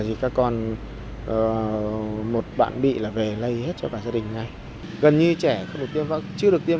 thì các con một bạn bị là về lây hết cho cả gia đình ngay gần như trẻ không được tiêm vaccine chưa được tiêm